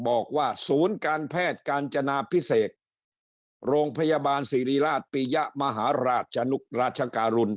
บอกว่าศูนย์การแพทย์กาญจนาพิเศษโรงพยาบาลศิริราชปียะมหาราชการุณ